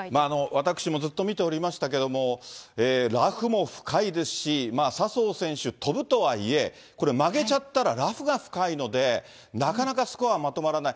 私もずっと見ておりましたけれども、ラフも深いですし、笹生選手、飛ぶとはいえ、これ、曲げちゃったらラフが深いので、なかなかスコアまとまらない。